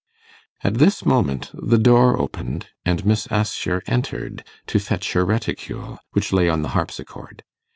At this moment the door opened, and Miss Assher entered, to fetch her reticule, which lay on the harpsichord.